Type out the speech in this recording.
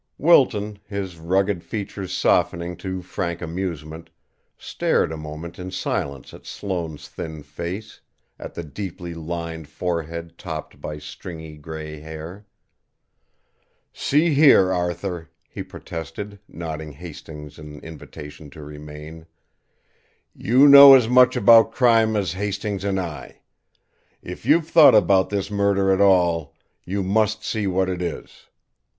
Wilton, his rugged features softening to frank amusement, stared a moment in silence at Sloane's thin face, at the deeply lined forehead topped by stringy grey hair. "See here, Arthur," he protested, nodding Hastings an invitation to remain; "you know as much about crime as Hastings and I. If you've thought about this murder at all, you must see what it is.